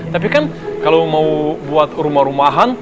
tapi kan kalau mau buat rumah rumahan